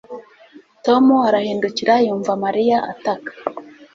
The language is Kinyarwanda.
Tom arahindukira yumva Mariya ataka